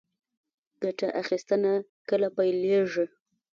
ګټه اخیستنه کله پیلیږي؟